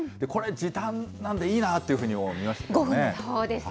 これ、時短なんでいいなっていう５分で。